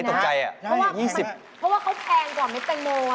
เพราะว่าเค้าแพงกว่าเม็ดแต่งโม